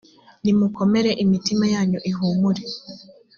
nimukomere imitima yanyu ihumure